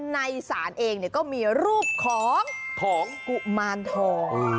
ในศาลเองก็มีรูปของกุมารทอง